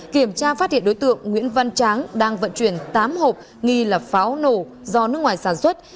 kiểm tra phát hiện đối tượng nguyễn văn tráng đang vận chuyển tám hộp nghi là pháo nổ do nước ngoài sản xuất